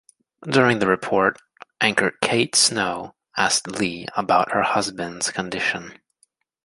During the report, anchor Kate Snow asked Lee about her husband's condition.